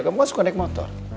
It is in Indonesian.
kamu kan suka naik motor